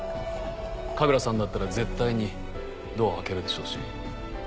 神楽さんだったら絶対にドアを開けるでしょうし。